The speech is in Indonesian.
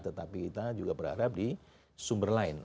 tetapi kita juga berharap di sumber lain